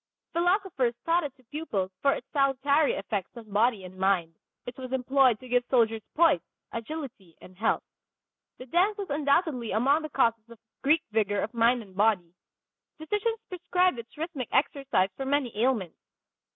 Philosophers taught it to pupils for its salutary effect on body and mind; it was employed to give soldiers poise, agility and health. The dance was undoubtedly among the causes of Greek vigor of mind and body. Physicians prescribed its rhythmic exercise for many ailments.